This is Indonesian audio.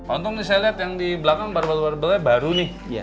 untung saya lihat yang di belakang barbel barbelnya baru nih